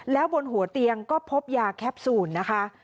แล้วบนหัวเตียงก็พบยาแคปซูลนะคะ